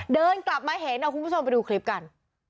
เดินกลับมาเห็นเอาคุณผู้ชมไปดูคลิปกัน